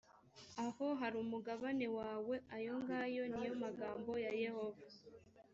aho hari umugabane wawe ayo ngayo ni yo magambo ya yehova